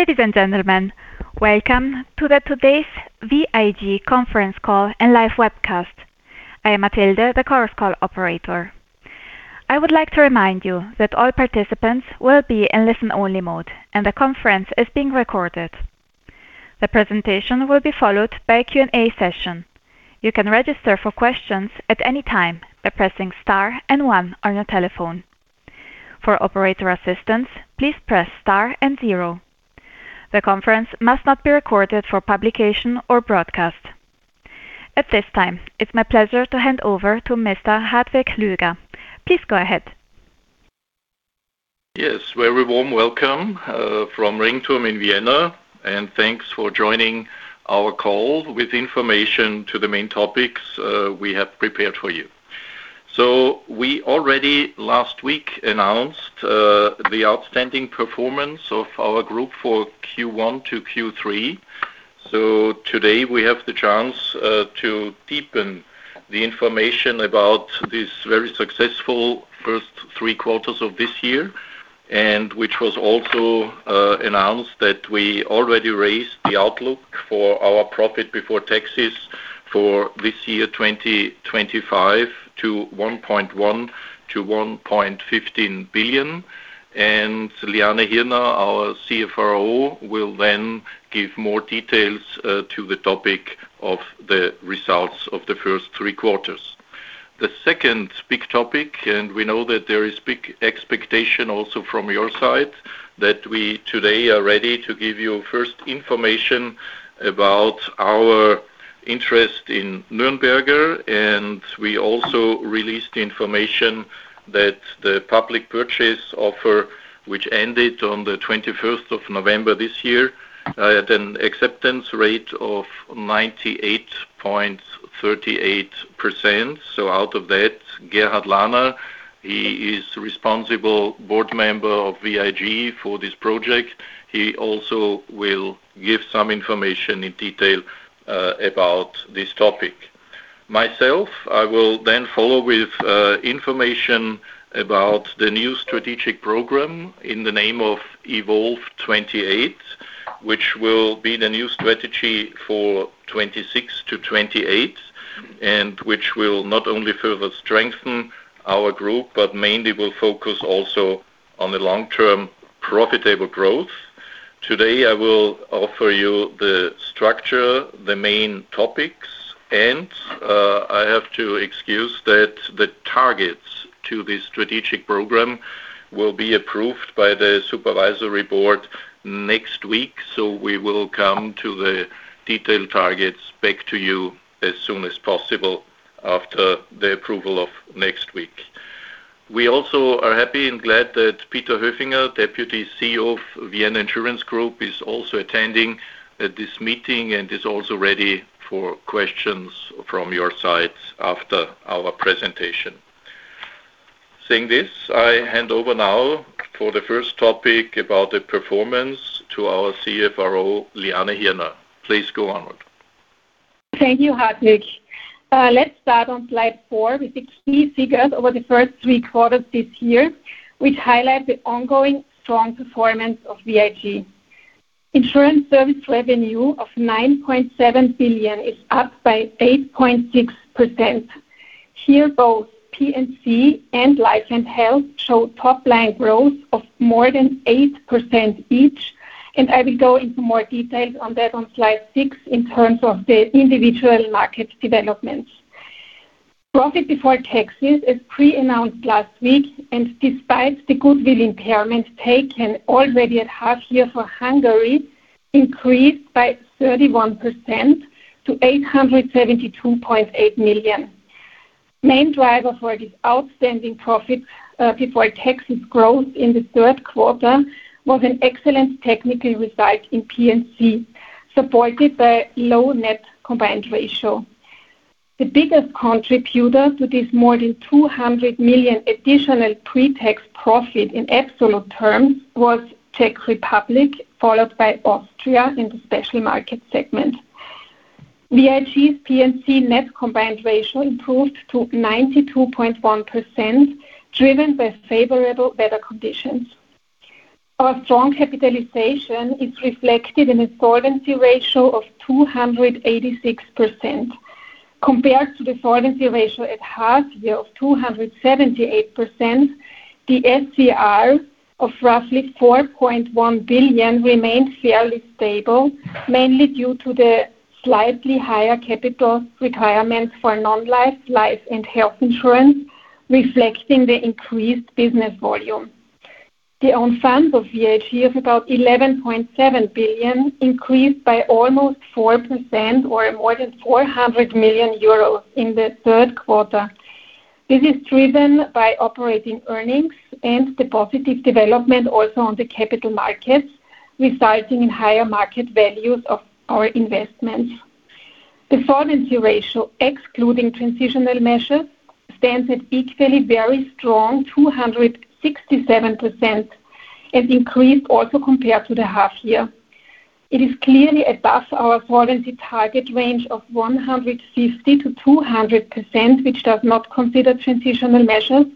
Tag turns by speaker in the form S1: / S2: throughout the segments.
S1: Ladies and gentlemen, welcome to today's VIG Conference Call and Live Webcast. I am Matilda, the call's call operator. I would like to remind you that all participants will be in listen-only mode, and the conference is being recorded. The presentation will be followed by a Q&A session. You can register for questions at any time by pressing star and one on your telephone. For operator assistance, please press star and zero. The conference must not be recorded for publication or broadcast. At this time, it's my pleasure to hand over to Mr. Hartwig Löger. Please go ahead.
S2: Yes, very warm welcome from Ring Turm in Vienna, and thanks for joining our call with information to the main topics we have prepared for you. We already last week announced the outstanding performance of our group for Q1 to Q3. Today we have the chance to deepen the information about this very successful first three quarters of this year, and it was also announced that we already raised the outlook for our profit before taxes for this year, 2025, to 1.1 billion-1.15 billion. Liane Hirner, our CFO, will then give more details to the topic of the results of the first three quarters. The second big topic, and we know that there is big expectation also from your side, that we today are ready to give you first information about our interest in Nürnberger, and we also released the information that the public purchase offer, which ended on the 21st of November this year, had an acceptance rate of 98.38%. Out of that, Gerhard Lahner, he is responsible board member of VIG for this project. He also will give some information in detail about this topic. Myself, I will then follow with information about the new strategic program in the name of Evolve 28, which will be the new strategy for 2026-2028, and which will not only further strengthen our group, but mainly will focus also on the long-term profitable growth. Today, I will offer you the structure, the main topics, and I have to excuse that the targets to this strategic program will be approved by the supervisory board next week. We will come to the detailed targets back to you as soon as possible after the approval of next week. We also are happy and glad that Peter Höfinger, Deputy CEO of Vienna Insurance Group, is also attending this meeting and is also ready for questions from your side after our presentation. Saying this, I hand over now for the first topic about the performance to our CFRO, Liane Hirner. Please go onward.
S3: Thank you, Hartwig. Let's start on slide four with the key figures over the first three quarters this year, which highlight the ongoing strong performance of VIG. Insurance service revenue of 9.7 billion is up by 8.6%. Here both P&C and Life & Health show top-line growth of more than 8% each, and I will go into more details on that on slide six in terms of the individual market developments. Profit before taxes is pre-announced last week, and despite the goodwill impairment taken already at half year for Hungary, increased by 31% to 872.8 million. Main driver for this outstanding profit before taxes growth in the third quarter was an excellent technical result in P&C, supported by low net combined ratio. The biggest contributor to this more than 200 million additional pre-tax profit in absolute terms was Czech Republic, followed by Austria in the special market segment. VIG's P&C net combined ratio improved to 92.1%, driven by favorable weather conditions. Our strong capitalization is reflected in a solvency ratio of 286%. Compared to the solvency ratio at half year of 278%, the SCR of roughly 4.1 billion remained fairly stable, mainly due to the slightly higher capital requirements for non-life, life, and health insurance, reflecting the increased business volume. The own funds of VIG of about 11.7 billion increased by almost 4% or more than 400 million euros in the third quarter. This is driven by operating earnings and the positive development also on the capital markets, resulting in higher market values of our investments. The solvency ratio, excluding transitional measures, stands at equally very strong 267% and increased also compared to the half year. It is clearly above our solvency target range of 150%-200%, which does not consider transitional measures,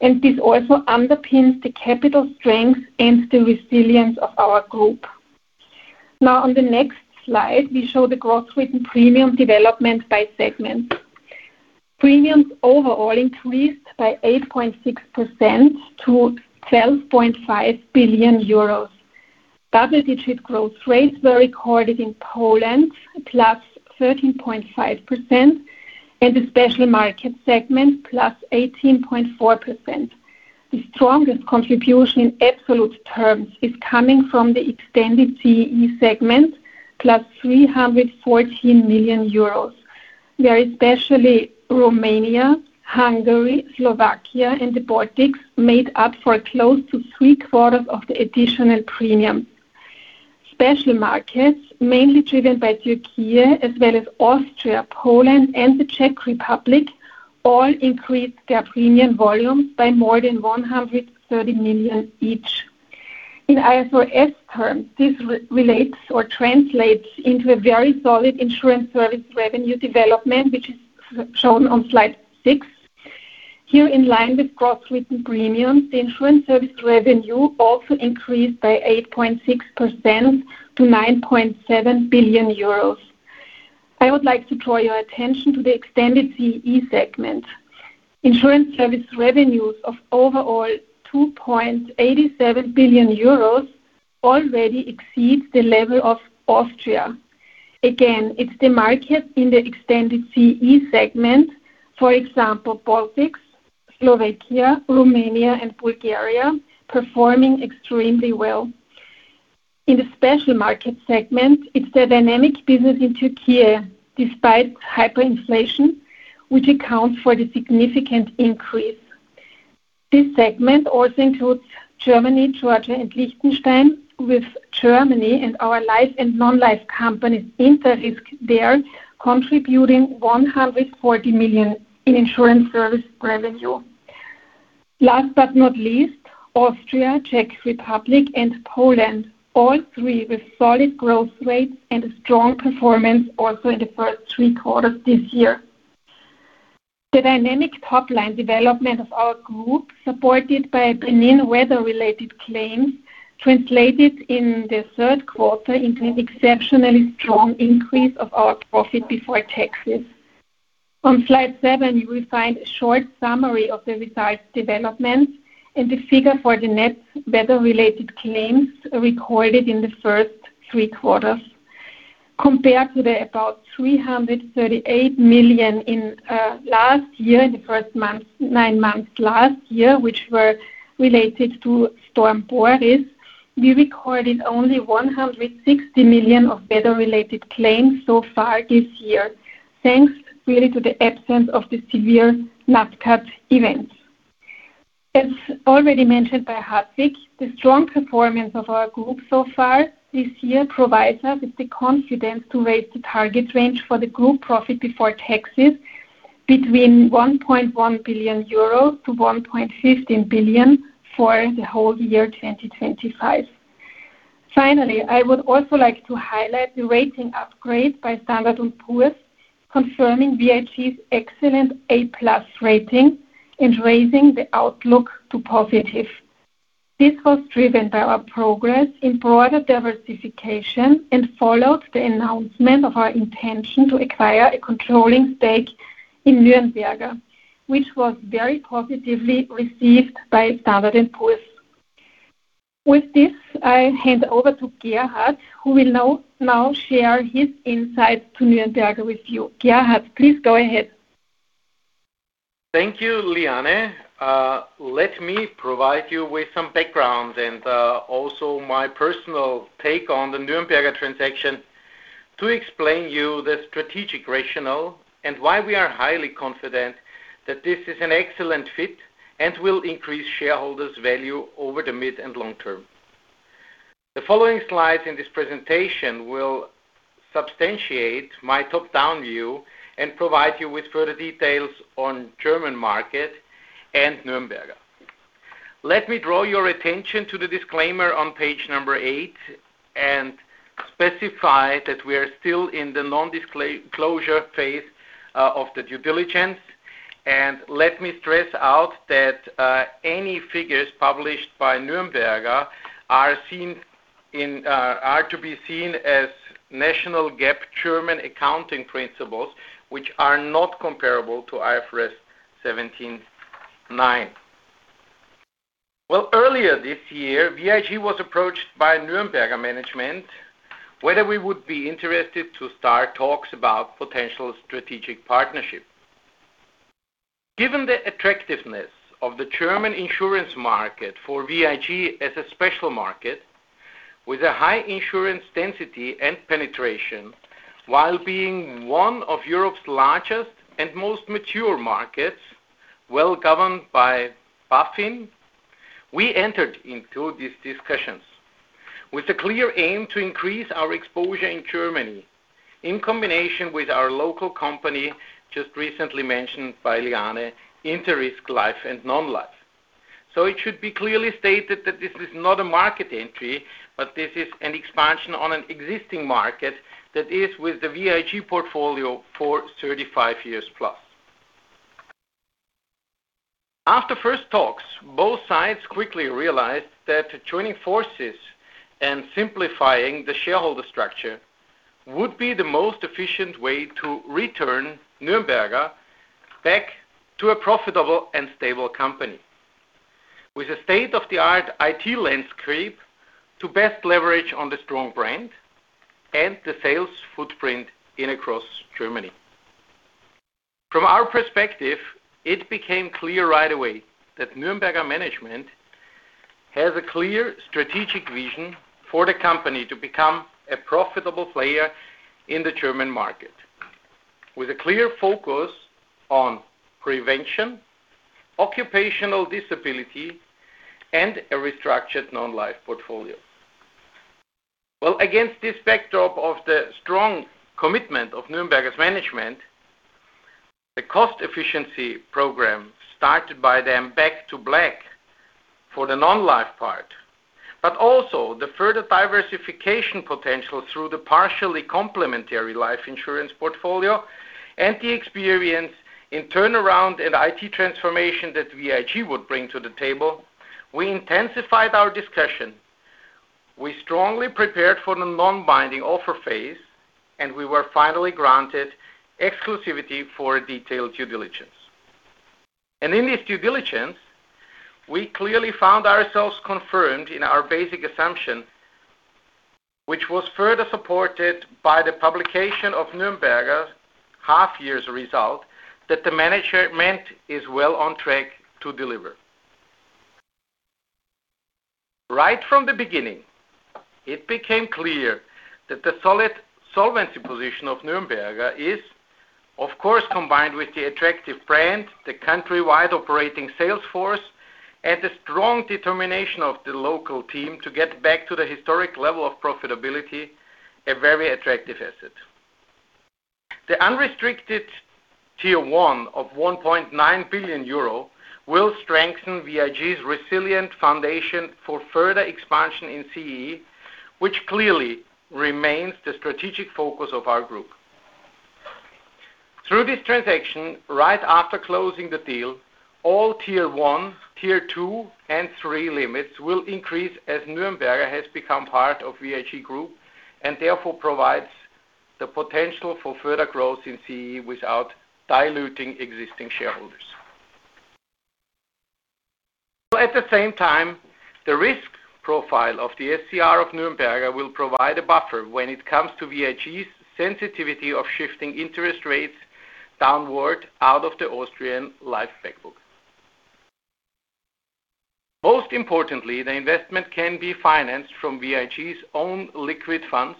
S3: and this also underpins the capital strength and the resilience of our group. Now, on the next slide, we show the gross written premium development by segments. Premiums overall increased by 8.6% to 12.5 billion euros. Double-digit growth rates were recorded in Poland, plus 13.5%, and the special market segment, plus 18.4%. The strongest contribution in absolute terms is coming from the extended CE segment, plus 314 million euros. Very specially, Romania, Hungary, Slovakia, and the Baltics made up for close to three quarters of the additional premium. Special markets, mainly driven by Türkiye, as well as Austria, Poland, and the Czech Republic, all increased their premium volume by more than 130 million each. In IFRS terms, this relates or translates into a very solid insurance service revenue development, which is shown on slide six. Here, in line with gross written premiums, the insurance service revenue also increased by 8.6% to 9.7 billion euros. I would like to draw your attention to the extended CE segment. Insurance service revenues of overall 2.87 billion euros already exceed the level of Austria. Again, it is the market in the extended CE segment, for example, Baltics, Slovakia, Romania, and Bulgaria, performing extremely well. In the special market segment, it is the dynamic business in Türkiye, despite hyperinflation, which accounts for the significant increase. This segment also includes Germany, Georgia, and Liechtenstein, with Germany and our life and non-life companies in InterRisk there contributing 140 million in insurance service revenue. Last but not least, Austria, Czech Republic, and Poland, all three with solid growth rates and strong performance also in the first three quarters this year. The dynamic top-line development of our group, supported by benign weather-related claims, translated in the third quarter into an exceptionally strong increase of our profit before taxes. On slide seven, you will find a short summary of the results development and the figure for the net weather-related claims recorded in the first three quarters. Compared to the about 338 million in last year, in the first nine months last year, which were related to storm Boris, we recorded only 160 million of weather-related claims so far this year, thanks really to the absence of the severe NatCat event. As already mentioned by Hartwig, the strong performance of our group so far this year provides us with the confidence to raise the target range for the group profit before taxes between 1.1 billion-1.15 billion euros for the whole year 2025. Finally, I would also like to highlight the rating upgrade by Standard & Poor's, confirming VIG's excellent A-plus rating and raising the outlook to positive. This was driven by our progress in broader diversification and followed the announcement of our intention to acquire a controlling stake in Nürnberger, which was very positively received by Standard & Poor's. With this, I hand over to Gerhard, who will now share his insights to Nürnberger with you. Gerhard, please go ahead.
S4: Thank you, Liane. Let me provide you with some background and also my personal take on the Nürnberger transaction to explain to you the strategic rationale and why we are highly confident that this is an excellent fit and will increase shareholders' value over the mid and long term. The following slides in this presentation will substantiate my top-down view and provide you with further details on the German market and Nürnberger. Let me draw your attention to the disclaimer on page number eight and specify that we are still in the non-disclosure phase of the due diligence, and let me stress out that any figures published by Nürnberger are to be seen as national GAAP German accounting principles, which are not comparable to IFRS 17. Earlier this year, VIG was approached by Nürnberger management whether we would be interested to start talks about potential strategic partnership. Given the attractiveness of the German insurance market for VIG as a special market, with a high insurance density and penetration, while being one of Europe's largest and most mature markets, well governed by BaFin, we entered into these discussions with a clear aim to increase our exposure in Germany in combination with our local company, just recently mentioned by Liane, InterRisk Life and Non-Life. It should be clearly stated that this is not a market entry, but this is an expansion on an existing market that is with the VIG portfolio for 35 years plus. After first talks, both sides quickly realized that joining forces and simplifying the shareholder structure would be the most efficient way to return Nürnberger back to a profitable and stable company with a state-of-the-art IT landscape to best leverage on the strong brand and the sales footprint across Germany. From our perspective, it became clear right away that Nürnberger management has a clear strategic vision for the company to become a profitable player in the German market, with a clear focus on prevention, occupational disability, and a restructured non-life portfolio. Against this backdrop of the strong commitment of Nürnberger's management, the cost efficiency program started by them, back to black, for the non-life part, but also the further diversification potential through the partially complementary life insurance portfolio and the experience in turnaround and IT transformation that VIG would bring to the table, we intensified our discussion. We strongly prepared for the non-binding offer phase, and we were finally granted exclusivity for a detailed due diligence. In this due diligence, we clearly found ourselves confirmed in our basic assumption, which was further supported by the publication of Nürnberger's half year's result that the management is well on track to deliver. Right from the beginning, it became clear that the solid solvency position of Nürnberger is, of course, combined with the attractive brand, the countrywide operating sales force, and the strong determination of the local team to get back to the historic level of profitability, a very attractive asset. The unrestricted tier one of 1.9 billion euro will strengthen VIG's resilient foundation for further expansion in CE, which clearly remains the strategic focus of our group. Through this transaction, right after closing the deal, all tier one, tier two, and three limits will increase as Nürnberger has become part of VIG Group and therefore provides the potential for further growth in CE without diluting existing shareholders. At the same time, the risk profile of the SCR of Nürnberger will provide a buffer when it comes to VIG's sensitivity of shifting interest rates downward out of the Austrian life backlog. Most importantly, the investment can be financed from VIG's own liquid funds,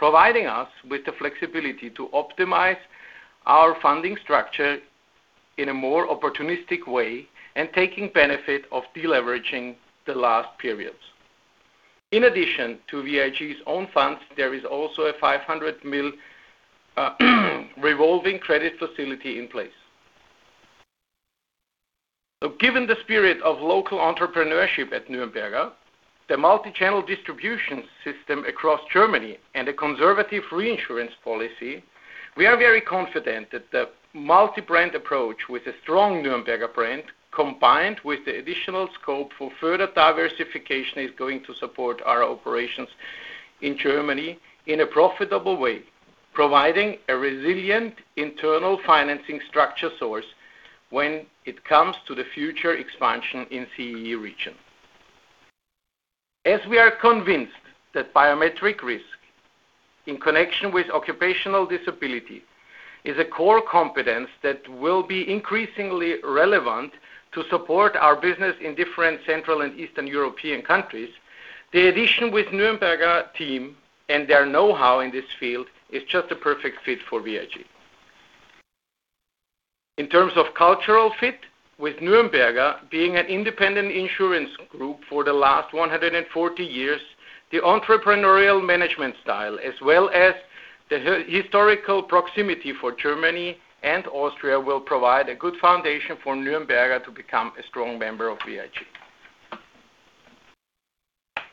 S4: providing us with the flexibility to optimize our funding structure in a more opportunistic way and taking benefit of deleveraging the last periods. In addition to VIG's own funds, there is also a 500 million revolving credit facility in place. Given the spirit of local entrepreneurship at Nürnberger, the multi-channel distribution system across Germany, and a conservative reinsurance policy, we are very confident that the multi-brand approach with a strong Nürnberger brand, combined with the additional scope for further diversification, is going to support our operations in Germany in a profitable way, providing a resilient internal financing structure source when it comes to the future expansion in the CE region. As we are convinced that biometric risk in connection with occupational disability is a core competence that will be increasingly relevant to support our business in different Central and Eastern European countries, the addition with Nürnberger team and their know-how in this field is just a perfect fit for VIG. In terms of cultural fit, with Nürnberger being an independent insurance group for the last 140 years, the entrepreneurial management style, as well as the historical proximity for Germany and Austria, will provide a good foundation for Nürnberger to become a strong member of VIG.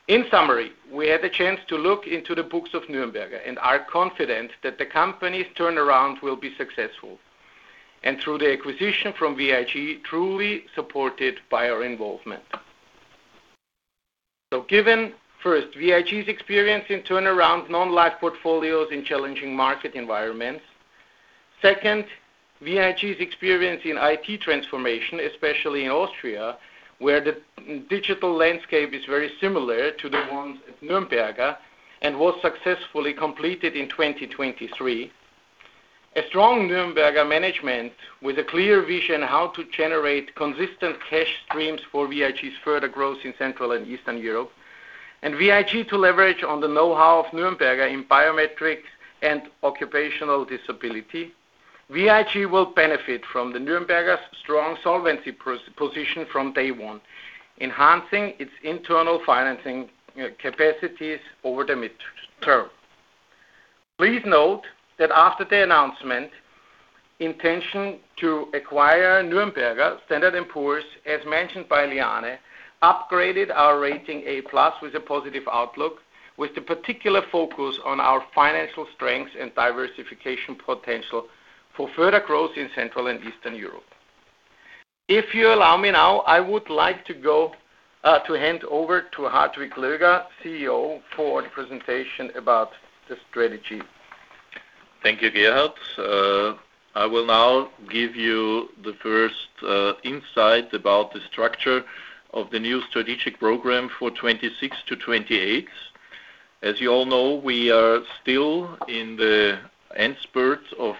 S4: In summary, we had the chance to look into the books of Nürnberger and are confident that the company's turnaround will be successful and through the acquisition from VIG, truly supported by our involvement. Given, first, VIG's experience in turnaround non-life portfolios in challenging market environments, second, VIG's experience in IT transformation, especially in Austria, where the digital landscape is very similar to the ones at Nürnberger and was successfully completed in 2023, a strong Nürnberger management with a clear vision how to generate consistent cash streams for VIG's further growth in Central and Eastern Europe, and VIG to leverage on the know-how of Nürnberger in biometrics and occupational disability, VIG will benefit from Nürnberger's strong solvency position from day one, enhancing its internal financing capacities over the midterm. Please note that after the announcement, intention to acquire Nürnberger, Standard & Poor's, as mentioned by Liane, upgraded our rating A-plus with a positive outlook, with the particular focus on our financial strengths and diversification potential for further growth in Central and Eastern Europe. If you allow me now, I would like to hand over to Hartwig Löger, CEO, for the presentation about the strategy.
S2: Thank you, Gerhard. I will now give you the first insight about the structure of the new strategic program for 2026 to 2028. As you all know, we are still in the end spurt of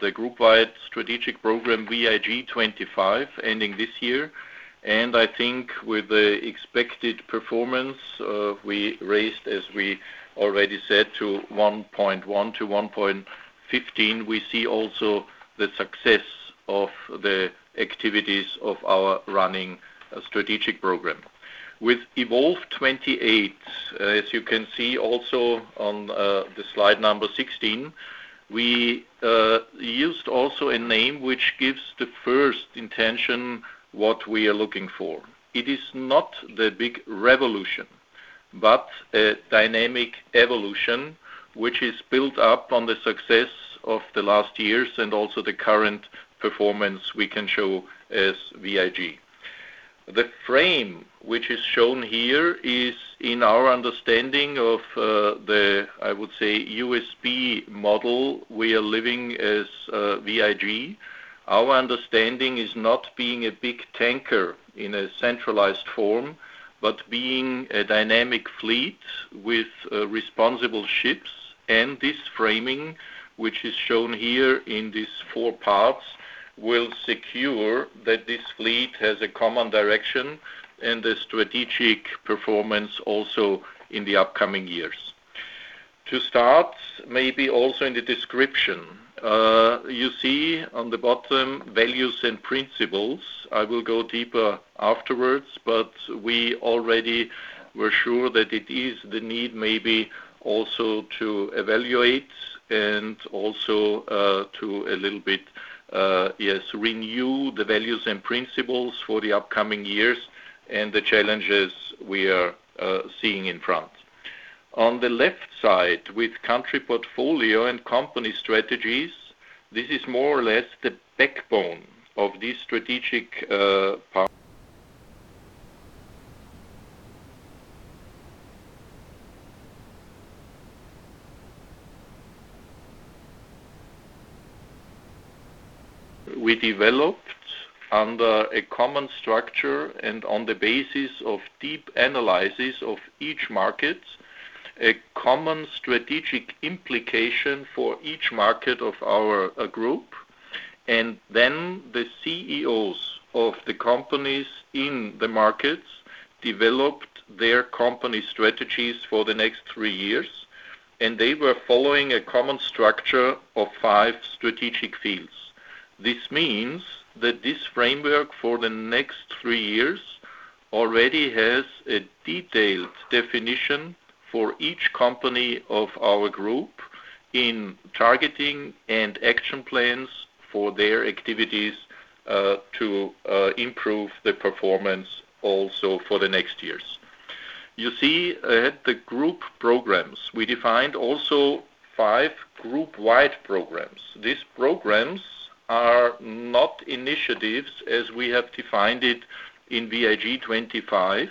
S2: the group-wide strategic program VIG '25 ending this year. I think with the expected performance we raised, as we already said, to 1.1 billion-1.15 billion, we see also the success of the activities of our running strategic program. With Evolve 28, as you can see also on the slide number 16, we used also a name which gives the first intention what we are looking for. It is not the big revolution, but a dynamic evolution which is built up on the success of the last years and also the current performance we can show as VIG. The frame which is shown here is in our understanding of the, I would say, USB model we are living as VIG. Our understanding is not being a big tanker in a centralized form, but being a dynamic fleet with responsible ships. This framing, which is shown here in these four parts, will secure that this fleet has a common direction and the strategic performance also in the upcoming years. To start, maybe also in the description, you see on the bottom values and principles. I will go deeper afterwards, but we already were sure that it is the need maybe also to evaluate and also to a little bit, yes, renew the values and principles for the upcoming years and the challenges we are seeing in front. On the left side, with country portfolio and company strategies, this is more or less the backbone of this strategic part. We developed under a common structure and on the basis of deep analysis of each market, a common strategic implication for each market of our group. The CEOs of the companies in the markets developed their company strategies for the next three years, and they were following a common structure of five strategic fields. This means that this framework for the next three years already has a detailed definition for each company of our group in targeting and action plans for their activities to improve the performance also for the next years. You see, the group programs, we defined also five group-wide programs. These programs are not initiatives as we have defined it in VIG 2025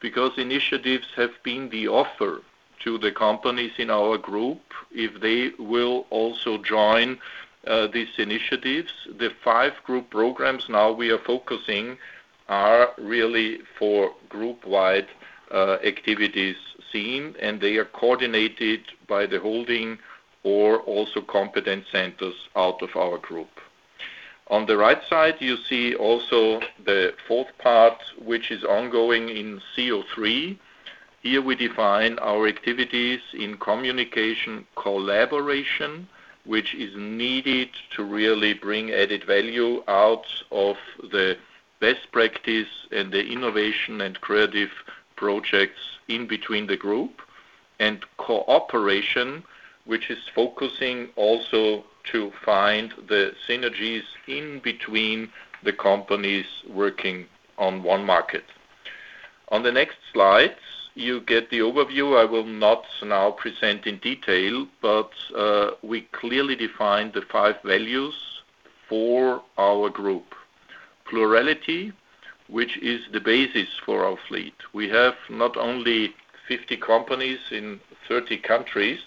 S2: because initiatives have been the offer to the companies in our group if they will also join these initiatives. The five group programs now we are focusing are really for group-wide activities seen, and they are coordinated by the holding or also competent centers out of our group. On the right side, you see also the fourth part, which is ongoing in CO3. Here we define our activities in communication collaboration, which is needed to really bring added value out of the best practice and the innovation and creative projects in between the group, and cooperation, which is focusing also to find the synergies in between the companies working on one market. On the next slide, you get the overview. I will not now present in detail, but we clearly define the five values for our group. Plurality, which is the basis for our fleet. We have not only 50 companies in 30 countries.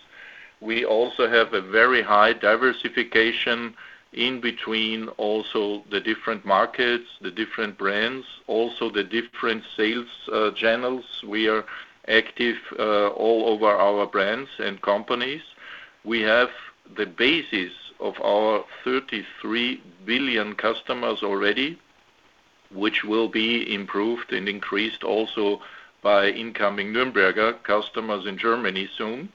S2: We also have a very high diversification in between also the different markets, the different brands, also the different sales channels. We are active all over our brands and companies. We have the basis of our 33 million customers already, which will be improved and increased also by incoming Nürnberger customers in Germany soon.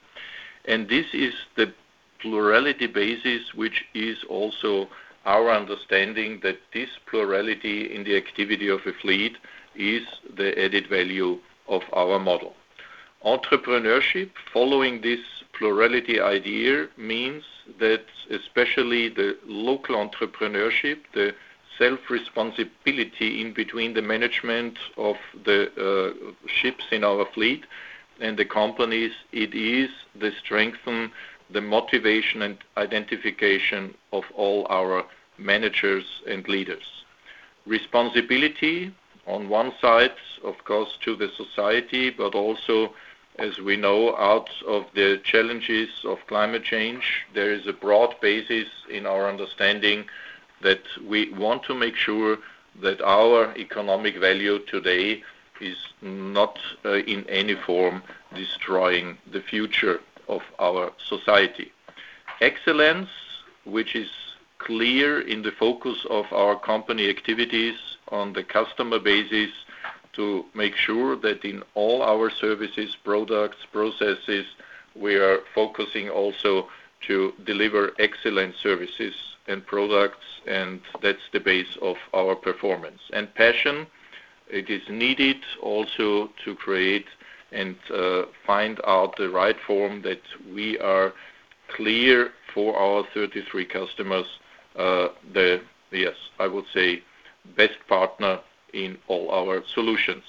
S2: This is the plurality basis, which is also our understanding that this plurality in the activity of the fleet is the added value of our model. Entrepreneurship, following this plurality idea, means that especially the local entrepreneurship, the self-responsibility in between the management of the ships in our fleet and the companies, it is the strength, the motivation, and identification of all our managers and leaders. Responsibility on one side, of course, to the society, but also, as we know, out of the challenges of climate change, there is a broad basis in our understanding that we want to make sure that our economic value today is not in any form destroying the future of our society. Excellence, which is clear in the focus of our company activities on the customer basis to make sure that in all our services, products, processes, we are focusing also to deliver excellent services and products, and that's the base of our performance. Passion, it is needed also to create and find out the right form that we are clear for our 33 customers, the, yes, I would say, best partner in all our solutions.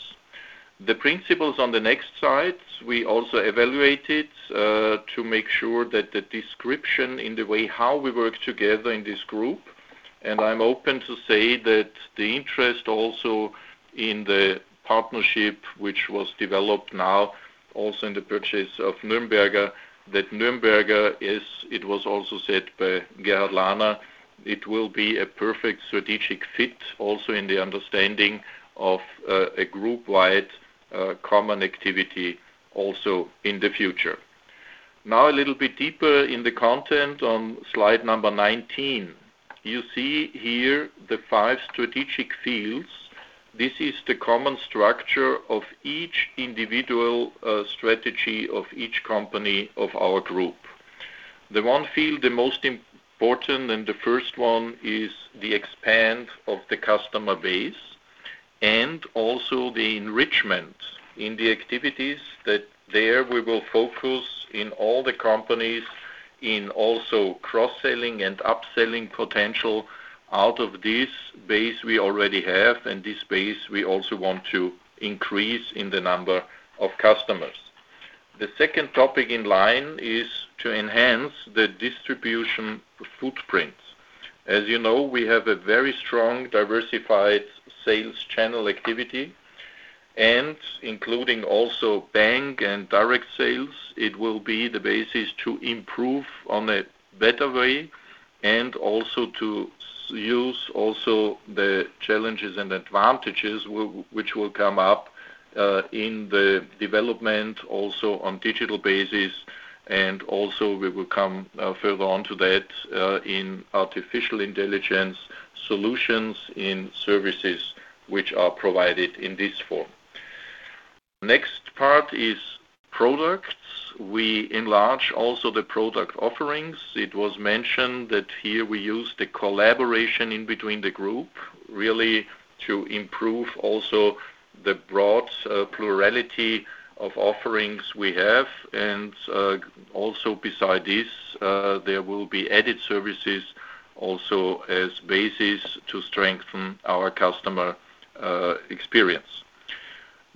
S2: The principles on the next slide, we also evaluated to make sure that the description in the way how we work together in this group, and I'm open to say that the interest also in the partnership, which was developed now also in the purchase of Nürnberger, that Nürnberger, as it was also said by Gerhard Lahner, it will be a perfect strategic fit also in the understanding of a group-wide common activity also in the future. Now, a little bit deeper in the content on slide number 19, you see here the five strategic fields. This is the common structure of each individual strategy of each company of our group. The one field, the most important and the first one, is the expand of the customer base and also the enrichment in the activities that there we will focus in all the companies in also cross-selling and upselling potential out of this base we already have, and this base we also want to increase in the number of customers. The second topic in line is to enhance the distribution footprint. As you know, we have a very strong diversified sales channel activity, including also bank and direct sales, it will be the basis to improve on a better way and also to use also the challenges and advantages which will come up in the development also on digital basis. Also we will come further on to that in artificial intelligence solutions in services which are provided in this form. Next part is products. We enlarge also the product offerings. It was mentioned that here we use the collaboration in between the group really to improve also the broad plurality of offerings we have. Also beside this, there will be added services also as basis to strengthen our customer experience.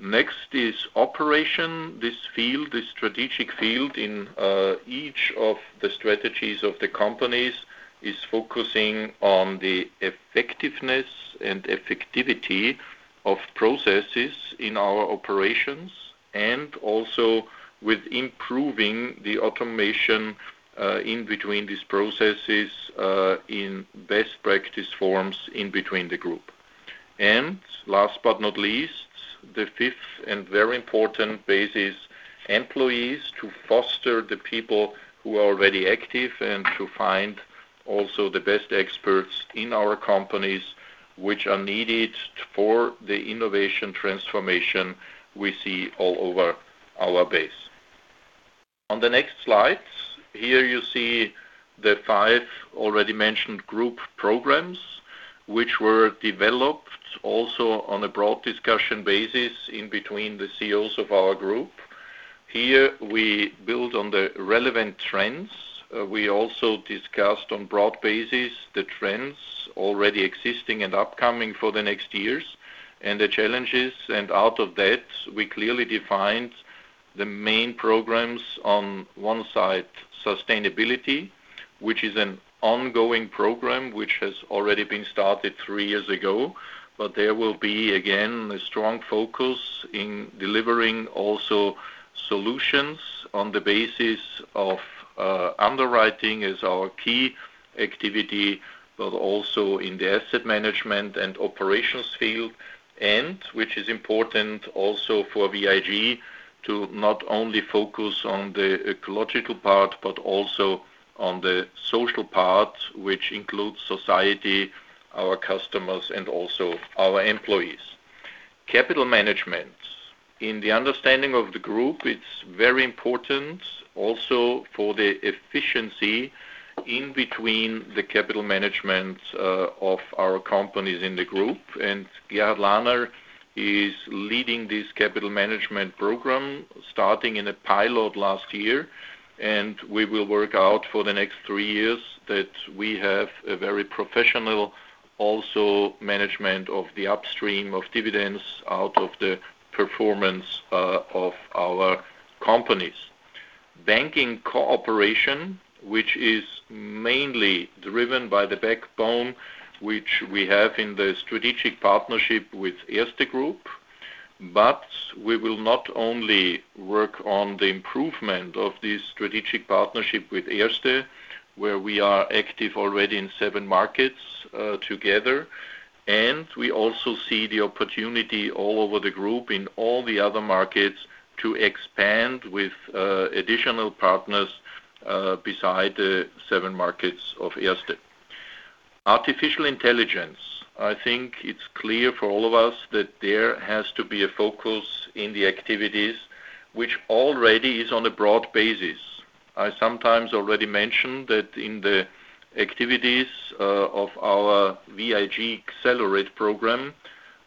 S2: Next is operation. This field, this strategic field in each of the strategies of the companies is focusing on the effectiveness and effectivity of processes in our operations and also with improving the automation in between these processes in best practice forms in between the group. Last but not least, the fifth and very important base is employees to foster the people who are already active and to find also the best experts in our companies which are needed for the innovation transformation we see all over our base. On the next slide, here you see the five already mentioned group programs which were developed also on a broad discussion basis in between the CEOs of our group. Here we build on the relevant trends. We also discussed on broad basis the trends already existing and upcoming for the next years and the challenges. Out of that, we clearly defined the main programs on one side, sustainability, which is an ongoing program which has already been started three years ago, but there will be again a strong focus in delivering also solutions on the basis of underwriting as our key activity, but also in the asset management and operations field. What is important also for VIG is to not only focus on the ecological part, but also on the social part, which includes society, our customers, and also our employees. Capital management. In the understanding of the group, it's very important also for the efficiency in between the capital management of our companies in the group. Gerhard Lahner is leading this capital management program starting in a pilot last year. We will work out for the next three years that we have a very professional also management of the upstream of dividends out of the performance of our companies. Banking cooperation, which is mainly driven by the backbone which we have in the strategic partnership with Erste Group, but we will not only work on the improvement of this strategic partnership with Erste, where we are active already in seven markets together. We also see the opportunity all over the group in all the other markets to expand with additional partners beside the seven markets of Erste. Artificial intelligence. I think it's clear for all of us that there has to be a focus in the activities which already is on a broad basis. I sometimes already mentioned that in the activities of our VIG Accelerate program,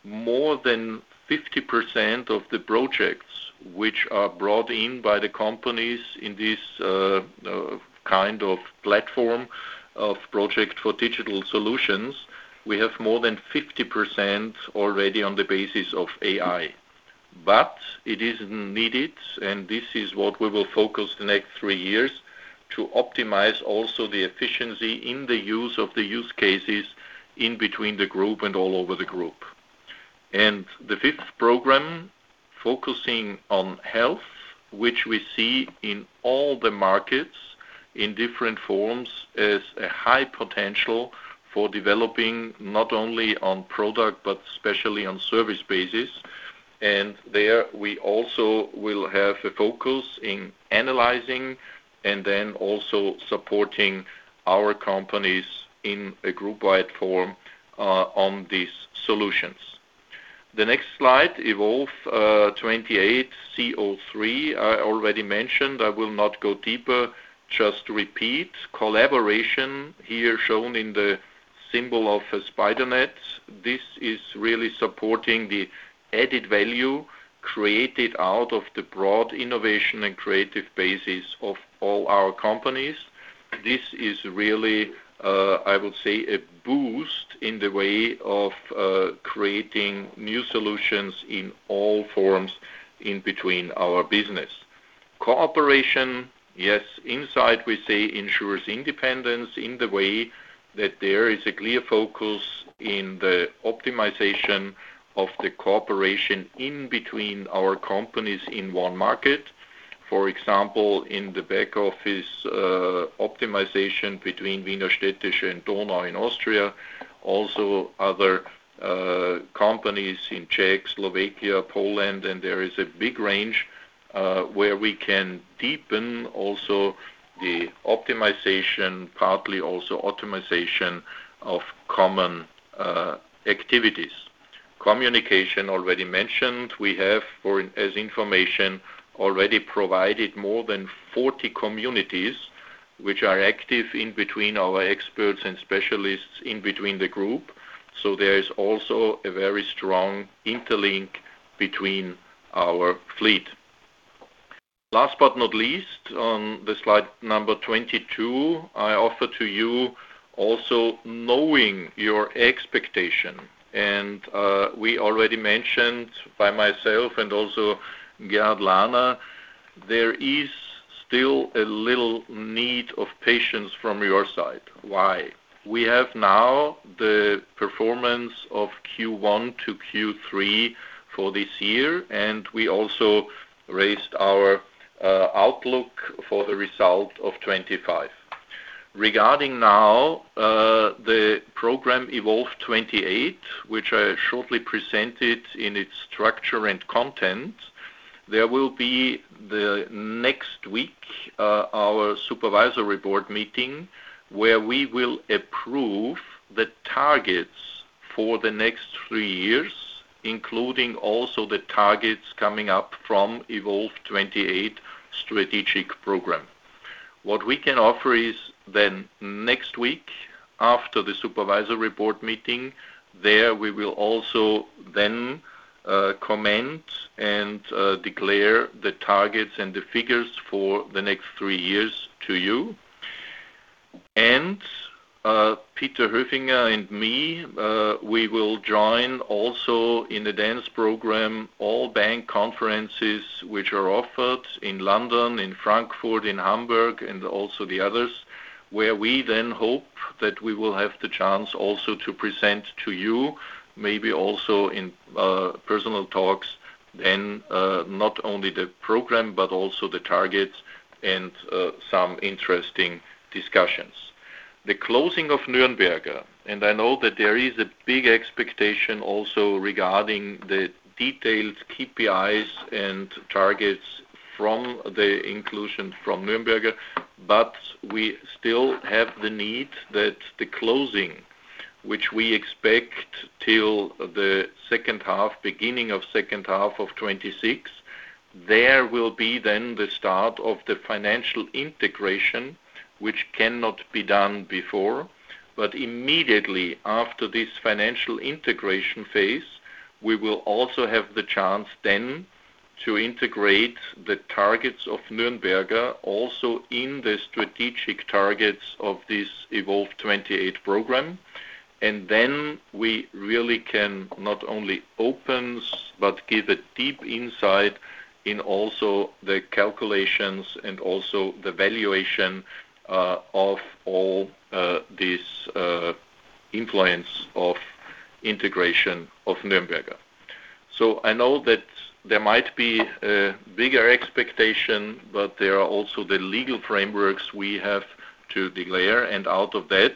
S2: more than 50% of the projects which are brought in by the companies in this kind of platform of project for digital solutions, we have more than 50% already on the basis of AI. It is needed, and this is what we will focus the next three years to optimize also the efficiency in the use of the use cases in between the group and all over the group. The fifth program, focusing on health, which we see in all the markets in different forms as a high potential for developing not only on product, but especially on service basis. There we also will have a focus in analyzing and then also supporting our companies in a group-wide form on these solutions. The next slide, Evolve 28 CO3. I already mentioned I will not go deeper, just repeat. Collaboration here shown in the symbol of a spider net. This is really supporting the added value created out of the broad innovation and creative basis of all our companies. This is really, I would say, a boost in the way of creating new solutions in all forms in between our business. Cooperation, yes, inside we say ensures independence in the way that there is a clear focus in the optimization of the cooperation in between our companies in one market. For example, in the back office optimization between Wiener Städtische and Dona in Austria, also other companies in Czech, Slovakia, Poland, and there is a big range where we can deepen also the optimization, partly also optimization of common activities. Communication, already mentioned, we have as information already provided more than 40 communities which are active in between our experts and specialists in between the group. There is also a very strong interlink between our fleet. Last but not least, on the slide number 22, I offer to you also knowing your expectation. We already mentioned by myself and also Gerhard Lahner, there is still a little need of patience from your side. Why? We have now the performance of Q1 - Q3 for this year, and we also raised our outlook for the result of 2025. Regarding now the program Evolve 28, which I shortly presented in its structure and content, there will be next week our supervisory board meeting where we will approve the targets for the next three years, including also the targets coming up from Evolve 28 strategic program. What we can offer is then next week after the supervisory board meeting, we will also then comment and declare the targets and the figures for the next three years to you. Peter Höfinger and me, we will join also in the dance program, all bank conferences which are offered in London, in Frankfurt, in Hamburg, and also the others, where we then hope that we will have the chance also to present to you, maybe also in personal talks, then not only the program, but also the targets and some interesting discussions. The closing of Nürnberger, and I know that there is a big expectation also regarding the detailed KPIs and targets from the inclusion from Nürnberger, but we still have the need that the closing, which we expect till the second half, beginning of second half of 2026, there will be then the start of the financial integration, which cannot be done before. Immediately after this financial integration phase, we will also have the chance then to integrate the targets of Nürnberger also in the strategic targets of this Evolve 28 program. We really can not only open, but give a deep insight in also the calculations and also the valuation of all this influence of integration of Nürnberger. I know that there might be a bigger expectation, but there are also the legal frameworks we have to declare. Out of that,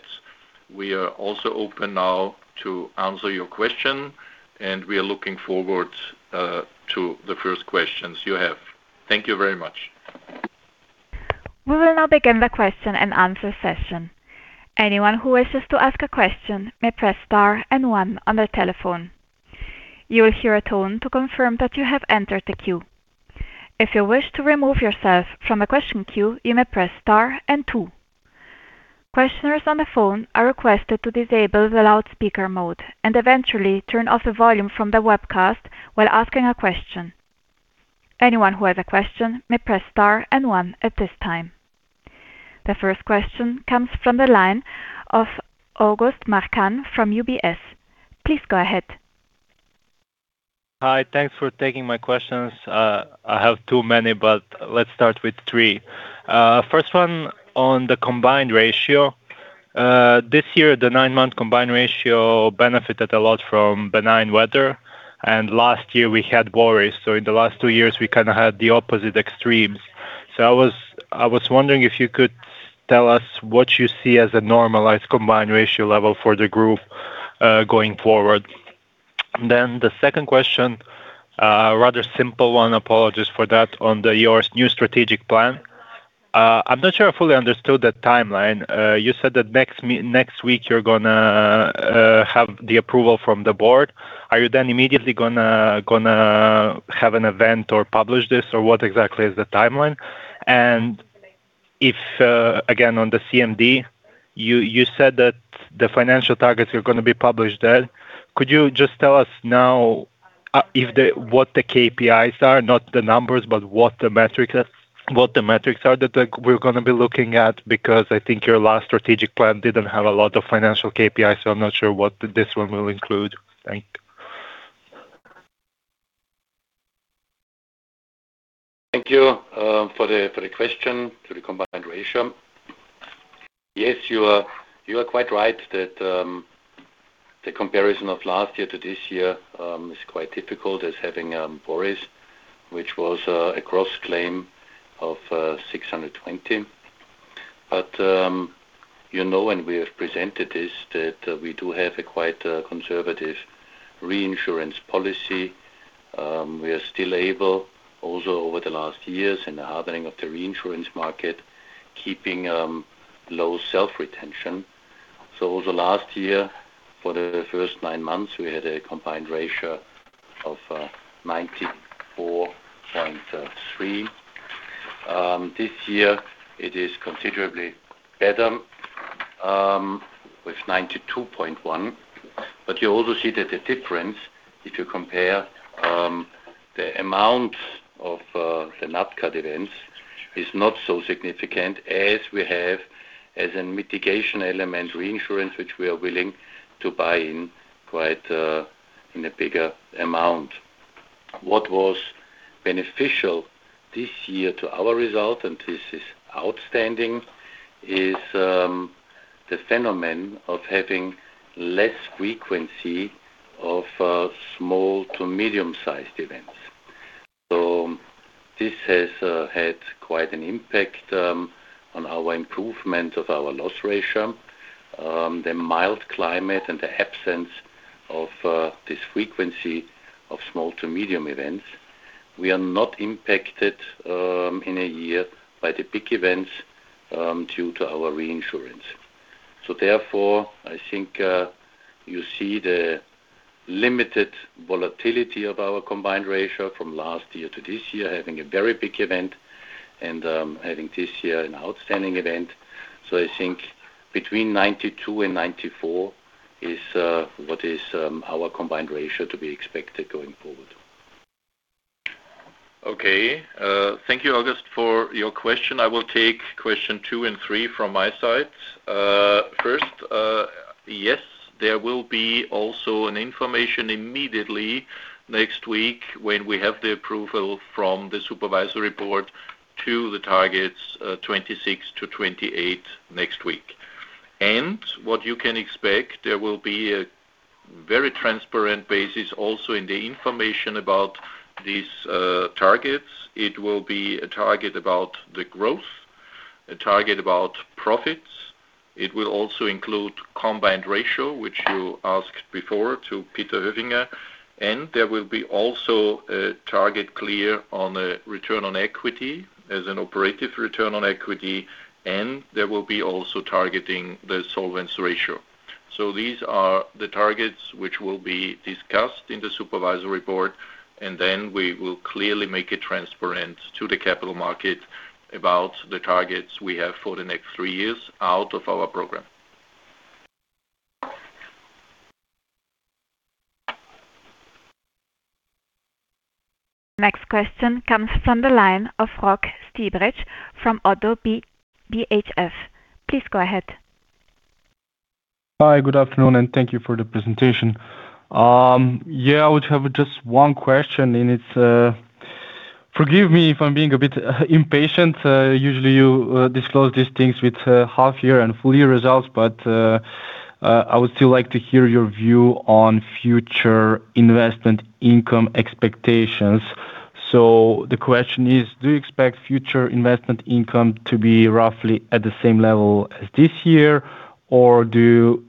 S2: we are also open now to answer your question, and we are looking forward to the first questions you have. Thank you very much.
S1: We will now begin the question and answer session. Anyone who wishes to ask a question may press star and one on their telephone. You will hear a tone to confirm that you have entered the queue. If you wish to remove yourself from a question queue, you may press star and two. Questioners on the phone are requested to disable the loudspeaker mode and eventually turn off the volume from the webcast while asking a question. Anyone who has a question may press star and one at this time. The first question comes from the line of August Marcan from UBS. Please go ahead.
S5: Hi, thanks for taking my questions. I have too many, but let's start with three. First one on the combined ratio. This year, the nine-month combined ratio benefited a lot from benign weather, and last year we had worries. In the last two years, we kind of had the opposite extremes. I was wondering if you could tell us what you see as a normalized combined ratio level for the group going forward. The second question, rather simple one, apologies for that, on your new strategic plan. I'm not sure I fully understood the timeline. You said that next week you're going to have the approval from the board. Are you then immediately going to have an event or publish this, or what exactly is the timeline? Again, on the CMD, you said that the financial targets are going to be published there. Could you just tell us now what the KPIs are, not the numbers, but what the metrics are that we're going to be looking at? Because I think your last strategic plan didn't have a lot of financial KPIs, so I'm not sure what this one will include. Thank you.
S2: Thank you for the question to the combined ratio. Yes, you are quite right that the comparison of last year to this year is quite difficult as having worries, which was a cross-claim of 620 million. But you know, and we have presented this, that we do have a quite conservative reinsurance policy. We are still able, also over the last years in the hardening of the reinsurance market, keeping low self-retention. Over last year, for the first nine months, we had a combined ratio of 94.3%. This year, it is considerably better with 92.1%. You also see that the difference, if you compare the amount of the NatCat events, is not so significant as we have as a mitigation element reinsurance, which we are willing to buy in quite in a bigger amount. What was beneficial this year to our result, and this is outstanding, is the phenomenon of having less frequency of small to medium-sized events. This has had quite an impact on our improvement of our loss ratio, the mild climate, and the absence of this frequency of small to medium events. We are not impacted in a year by the big events due to our reinsurance. Therefore, I think you see the limited volatility of our combined ratio from last year to this year, having a very big event and having this year an outstanding event. I think between 92%-94% is what is our combined ratio to be expected going forward. Thank you, August, for your question. I will take question two and three from my side. First, yes, there will be also an information immediately next week when we have the approval from the supervisory board to the targets 2026-2028 next week. What you can expect, there will be a very transparent basis also in the information about these targets. It will be a target about the growth, a target about profits. It will also include combined ratio, which you asked before to Peter Höfinger. There will be also a target clear on a return on equity as an operative return on equity. There will be also targeting the solvency ratio. These are the targets which will be discussed in the supervisory board, and then we will clearly make it transparent to the capital market about the targets we have for the next three years out of our program.
S1: Next question comes from the line of Rok Stibric from ODDO BHF. Please go ahead.
S6: Hi, good afternoon, and thank you for the presentation. Yeah, I would have just one question, and it's forgive me if I'm being a bit impatient. Usually, you disclose these things with half-year and full-year results, but I would still like to hear your view on future investment income expectations. The question is, do you expect future investment income to be roughly at the same level as this year, or do you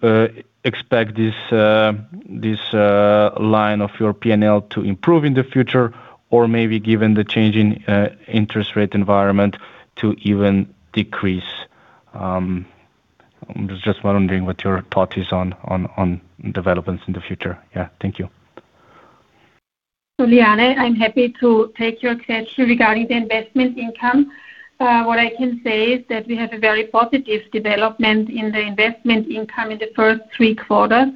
S6: expect this line of your P&L to improve in the future, or maybe given the changing interest rate environment to even decrease? I'm just wondering what your thought is on developments in the future. Yeah, thank you.
S3: Liane, I'm happy to take your question regarding the investment income. What I can say is that we have a very positive development in the investment income in the first three quarters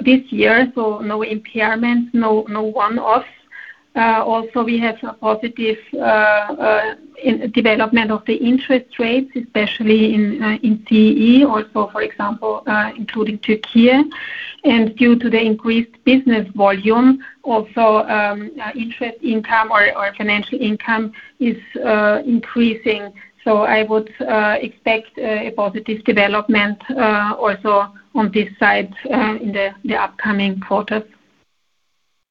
S3: this year, so no impairment, no one-off. Also, we have a positive development of the interest rates, especially in CE, also, for example, including Türkiye. Due to the increased business volume, also interest income or financial income is increasing. I would expect a positive development also on this side in the upcoming quarters.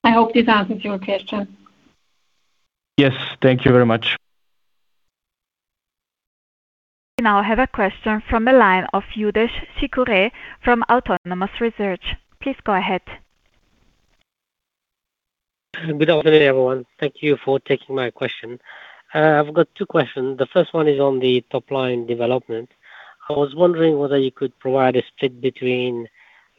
S3: I hope this answers your question.
S6: Yes, thank you very much.
S1: We now have a question from the line of Youdish Chicooree from Autonomous Research. Please go ahead.
S7: Good afternoon, everyone. Thank you for taking my question. I've got two questions. The first one is on the top-line development. I was wondering whether you could provide a split between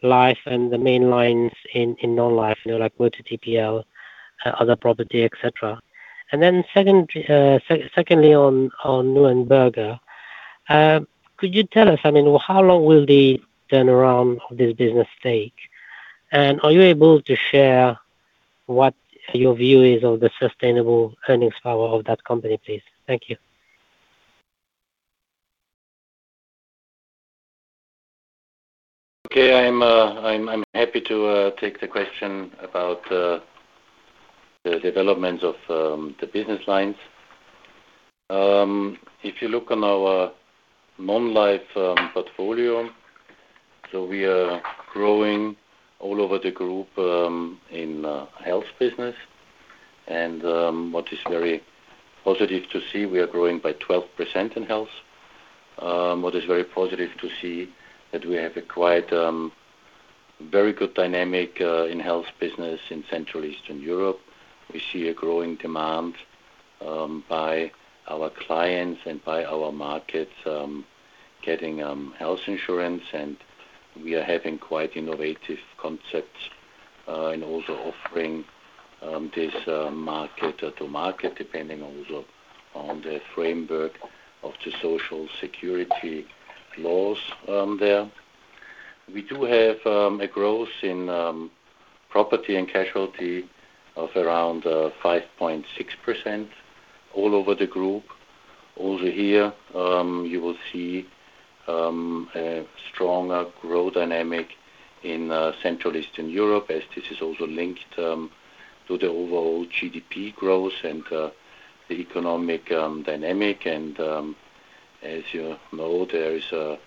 S7: life and the main lines in non-life, like motor TPL, other property, etc. Secondly, on Nürnberger, could you tell us, I mean, how long will the turnaround of this business take? Are you able to share what your view is of the sustainable earnings power of that company, please? Thank you.
S2: Okay, I'm happy to take the question about the development of the business lines. If you look on our non-life portfolio, we are growing all over the group in health business. What is very positive to see, we are growing by 12% in health. What is very positive to see is that we have a very good dynamic in health business in Central Eastern Europe. We see a growing demand by our clients and by our markets getting health insurance, and we are having quite innovative concepts and also offering this market-to-market depending also on the framework of the social security laws there. We do have a growth in property and casualty of around 5.6% all over the group. Also here, you will see a stronger growth dynamic in Central Eastern Europe as this is also linked to the overall GDP growth and the economic dynamic. As you know, there is a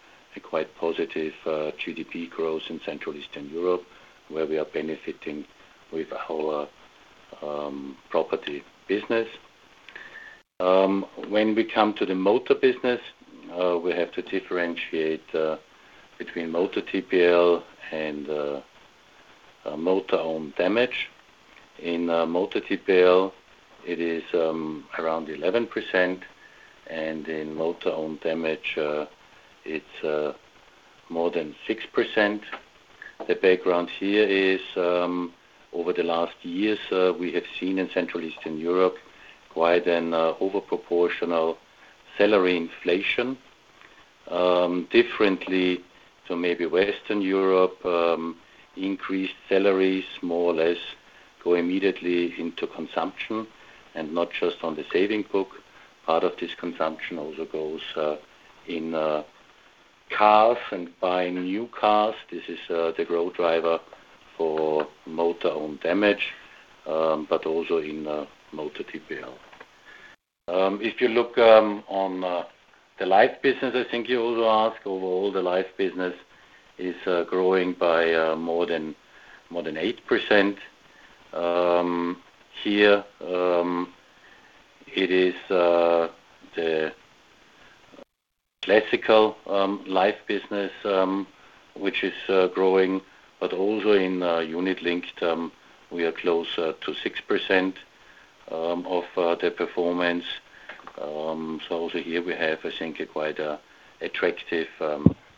S2: quite positive GDP growth in Central Eastern Europe where we are benefiting with our property business. When we come to the motor business, we have to differentiate between motor TPL and motor own damage. In motor TPL, it is around 11%, and in motor own damage, it's more than 6%. The background here is over the last years, we have seen in Central Eastern Europe quite an overproportional salary inflation. Differently to maybe Western Europe, increased salaries more or less go immediately into consumption and not just on the saving book. Part of this consumption also goes in cars and buying new cars. This is the growth driver for motor own damage, but also in motor TPL. If you look on the life business, I think you also asked, overall, the life business is growing by more than 8%. Here, it is the classical life business which is growing, but also in unit-linked, we are close to 6% of the performance. Also here, we have, I think, a quite attractive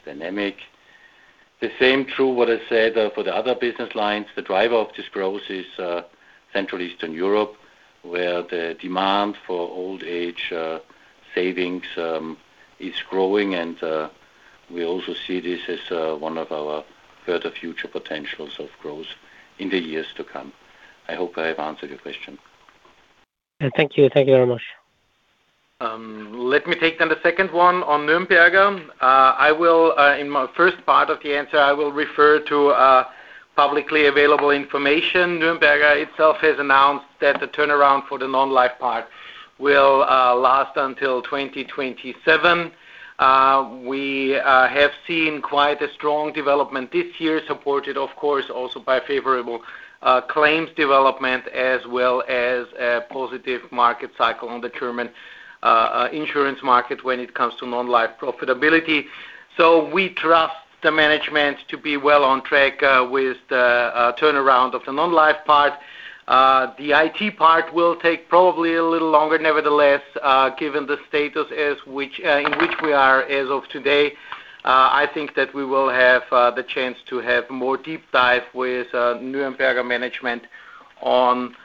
S2: dynamic. The same true what I said for the other business lines. The driver of this growth is Central and Eastern Europe, where the demand for old-age savings is growing, and we also see this as one of our further future potentials of growth in the years to come. I hope I have answered your question.
S7: Thank you. Thank you very much.
S4: Let me take then the second one on Nürnberger. In my first part of the answer, I will refer to publicly available information. Nürnberger itself has announced that the turnaround for the non-life part will last until 2027. We have seen quite a strong development this year, supported, of course, also by favorable claims development as well as a positive market cycle on the German insurance market when it comes to non-life profitability. We trust the management to be well on track with the turnaround of the non-life part. The IT part will take probably a little longer. Nevertheless, given the status in which we are as of today, I think that we will have the chance to have a more deep dive with Nürnberger management on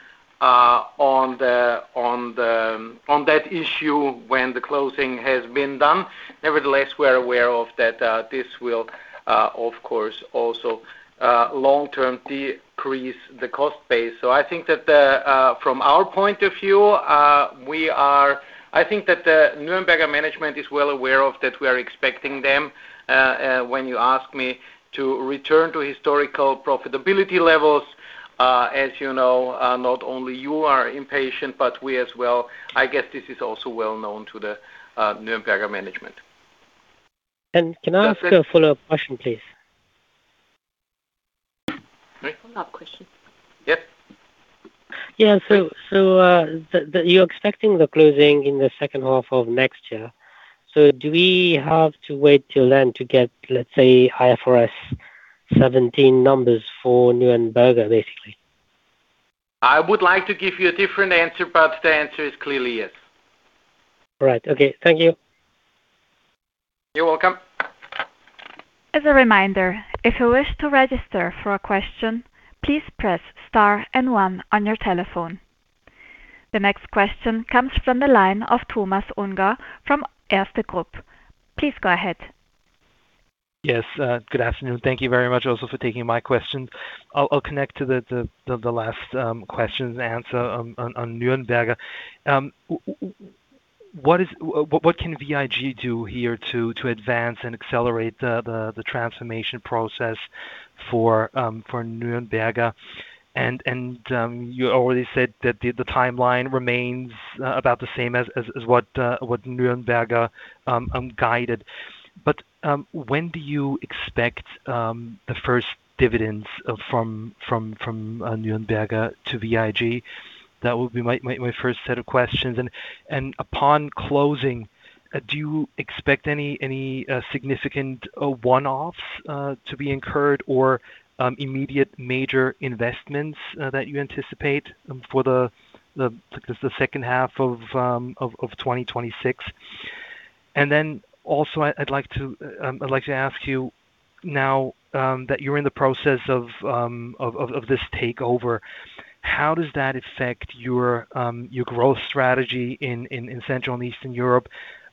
S4: that issue when the closing has been done. Nevertheless, we are aware that this will, of course, also long-term decrease the cost base. I think that from our point of view, I think that Nürnberger management is well aware that we are expecting them, when you ask me, to return to historical profitability levels. As you know, not only you are impatient, but we as well. I guess this is also well known to the Nürnberger management.
S7: Can I ask a follow-up question, please?
S1: Follow-up question.
S4: Yes.
S7: Yeah, you are expecting the closing in the second half of next year. Do we have to wait till then to get, let's say, IFRS 17 numbers for Nürnberger, basically?
S4: I would like to give you a different answer, but the answer is clearly yes.
S7: Right. Okay. Thank you.
S4: You're welcome.
S1: As a reminder, if you wish to register for a question, please press star and one on your telephone. The next question comes from the line of Thomas Unger from Erste Group. Please go ahead.
S8: Yes. Good afternoon. Thank you very much also for taking my question. I'll connect to the last question and answer on Nürnberger. What can VIG do here to advance and accelerate the transformation process for Nürnberger? You already said that the timeline remains about the same as what Nürnberger guided. When do you expect the first dividends from Nürnberger to VIG? That would be my first set of questions. Upon closing, do you expect any significant one-offs to be incurred or immediate major investments that you anticipate for the second half of 2026? I would also like to ask you, now that you are in the process of this takeover, how does that affect your growth strategy in Central and Eastern Europe?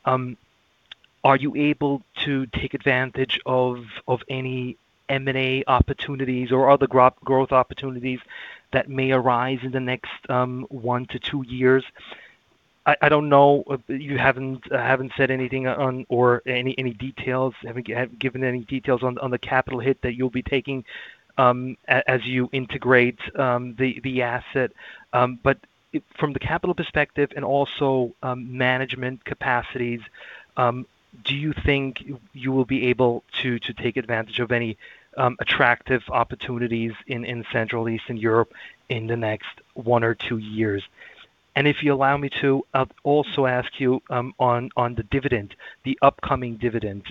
S8: Are you able to take advantage of any M&A opportunities or other growth opportunities that may arise in the next one to two years? I do not know. You have not said anything or any details, have not given any details on the capital hit that you will be taking as you integrate the asset. From the capital perspective and also management capacities, do you think you will be able to take advantage of any attractive opportunities in Central and Eastern Europe in the next one or two years? If you allow me to also ask you on the dividend, the upcoming dividend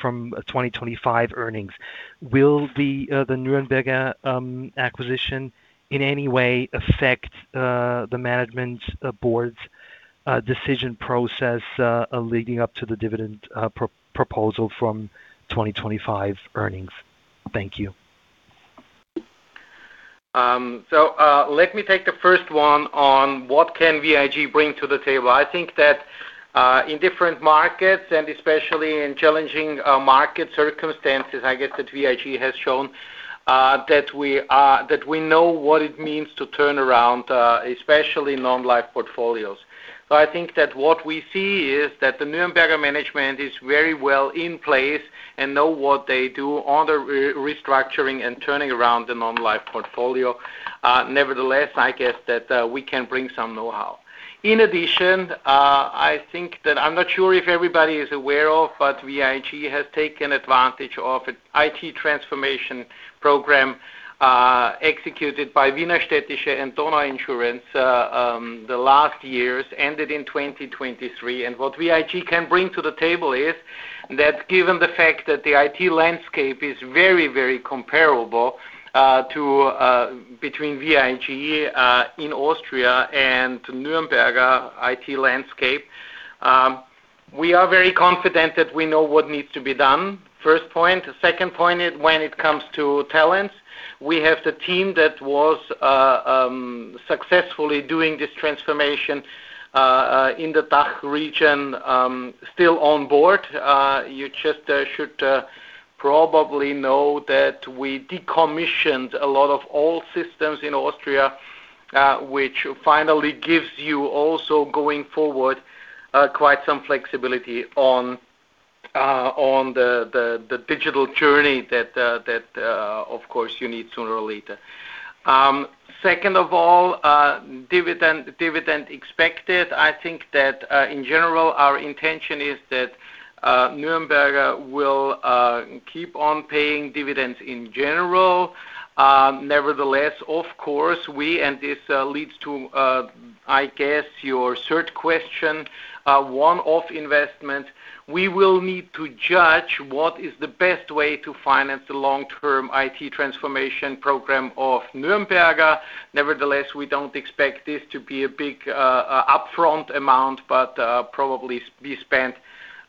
S8: from 2025 earnings, will the Nürnberger acquisition in any way affect the management board's decision process leading up to the dividend proposal from 2025 earnings? Thank you.
S4: Let me take the first one on what can VIG bring to the table. I think that in different markets and especially in challenging market circumstances, I guess that VIG has shown that we know what it means to turn around, especially non-life portfolios. I think that what we see is that the Nürnberger management is very well in place and know what they do on the restructuring and turning around the non-life portfolio. Nevertheless, I guess that we can bring some know-how. In addition, I think that I'm not sure if everybody is aware of, but VIG has taken advantage of an IT transformation program executed by Wiener Städtische and Donau Versicherung the last years, ended in 2023. What VIG can bring to the table is that given the fact that the IT landscape is very, very comparable between VIG in Austria and Nürnberger IT landscape, we are very confident that we know what needs to be done. First point. Second point, when it comes to talents, we have the team that was successfully doing this transformation in the DACH region still on board. You just should probably know that we decommissioned a lot of old systems in Austria, which finally gives you also going forward quite some flexibility on the digital journey that, of course, you need sooner or later. Second of all, dividend expected. I think that in general, our intention is that Nürnberger will keep on paying dividends in general. Nevertheless, of course, we—and this leads to, I guess, your third question—one-off investment. We will need to judge what is the best way to finance the long-term IT transformation program of Nürnberger. Nevertheless, we do not expect this to be a big upfront amount, but probably be spent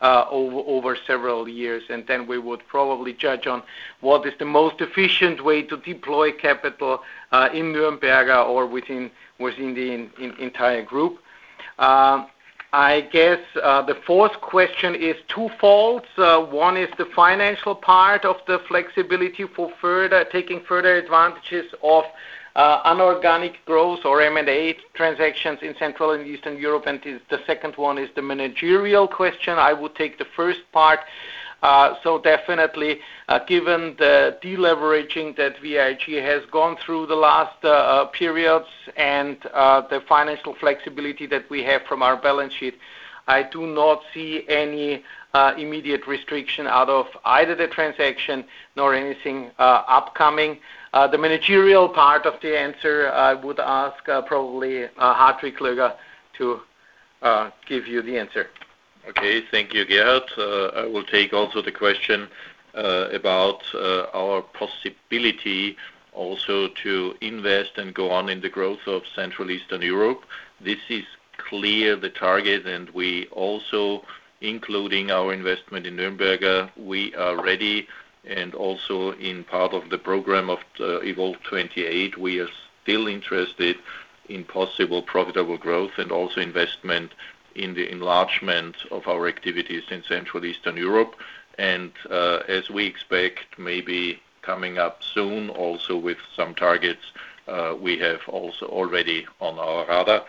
S4: over several years. We would probably judge on what is the most efficient way to deploy capital in Nürnberger or within the entire group. I guess the fourth question is twofold. One is the financial part of the flexibility for taking further advantages of unorganic growth or M&A transactions in Central and Eastern Europe. The second one is the managerial question. I would take the first part. Definitely, given the deleveraging that VIG has gone through the last periods and the financial flexibility that we have from our balance sheet, I do not see any immediate restriction out of either the transaction nor anything upcoming. The managerial part of the answer, I would ask probably Hartwig Löger to give you the answer.
S2: Okay. Thank you, Gerhard. I will take also the question about our possibility also to invest and go on in the growth of Central Eastern Europe. This is clear the target, and we also, including our investment in Nürnberger, we are ready. Also in part of the program of Evolve 28, we are still interested in possible profitable growth and also investment in the enlargement of our activities in Central Eastern Europe. As we expect, maybe coming up soon also with some targets we have also already on our radar.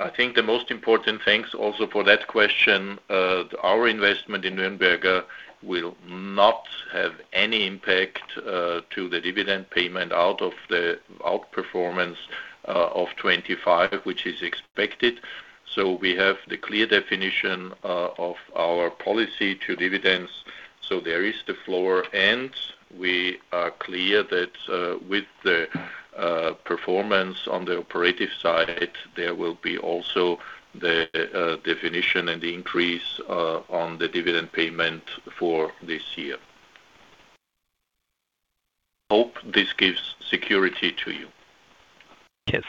S2: I think the most important things also for that question, our investment in Nürnberger will not have any impact to the dividend payment out of the outperformance of 2025, which is expected. We have the clear definition of our policy to dividends. There is the floor, and we are clear that with the performance on the operative side, there will be also the definition and the increase on the dividend payment for this year. Hope this gives security to you.
S8: Yes.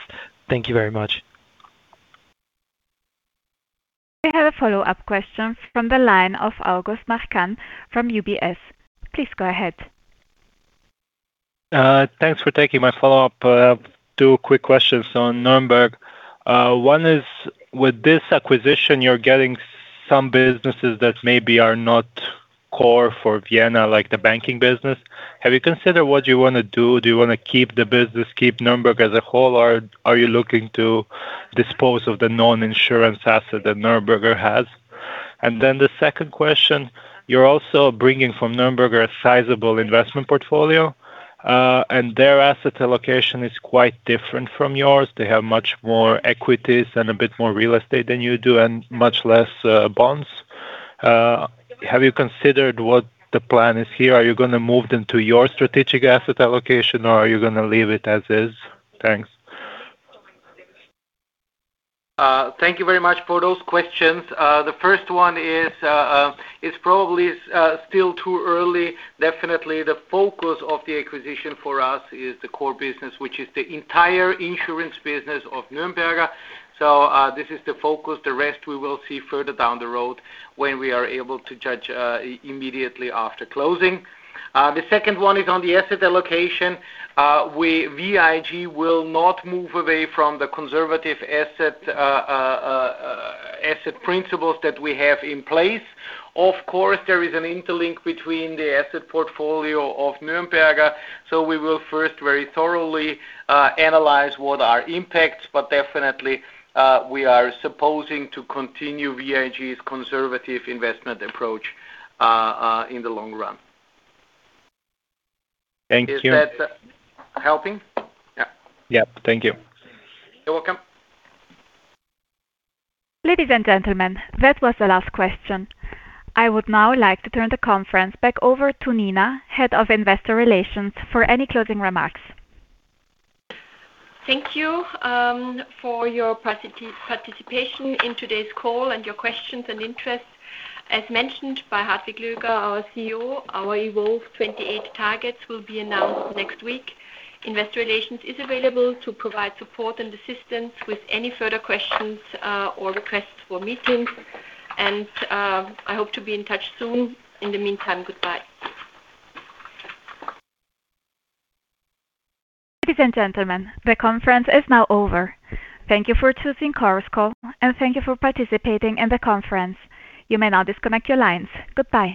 S8: Thank you very much.
S1: We have a follow-up question from the line of August Marcan from UBS. Please go ahead.
S5: Thanks for taking my follow-up. Two quick questions on Nürnberger. One is, with this acquisition, you're getting some businesses that maybe are not core for Vienna, like the banking business. Have you considered what you want to do? Do you want to keep the business, keep Nürnberger as a whole, or are you looking to dispose of the non-insurance asset that Nürnberger has? The second question, you're also bringing from Nürnberger a sizable investment portfolio, and their asset allocation is quite different from yours. They have much more equities and a bit more real estate than you do and much less bonds. Have you considered what the plan is here? Are you going to move them to your strategic asset allocation, or are you going to leave it as is? Thanks.
S4: Thank you very much for those questions. The first one is it's probably still too early. Definitely, the focus of the acquisition for us is the core business, which is the entire insurance business of Nürnberger. This is the focus. The rest we will see further down the road when we are able to judge immediately after closing. The second one is on the asset allocation. VIG will not move away from the conservative asset principles that we have in place. Of course, there is an interlink between the asset portfolio of Nürnberger. We will first very thoroughly analyze what are impacts, but definitely, we are supposing to continue VIG's conservative investment approach in the long run.
S5: Thank you.
S4: Is that helping?
S5: Yeah. Yeah. Thank you.
S4: You're welcome.
S1: Ladies and gentlemen, that was the last question. I would now like to turn the conference back over to Nina, Head of Investor Relations, for any closing remarks.
S9: Thank you for your participation in today's call and your questions and interest. As mentioned by Hartwig Löger, our CEO, our Evolve 28 targets will be announced next week. Investor relations is available to provide support and assistance with any further questions or requests for meetings. I hope to be in touch soon. In the meantime, goodbye.
S1: Ladies and gentlemen, the conference is now over. Thank you for choosing Karlsruhe, and thank you for participating in the conference. You may now disconnect your lines. Goodbye.